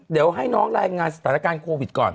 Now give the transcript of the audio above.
เดี๋ยวให้น้องรายงานสถานการณ์โควิดก่อน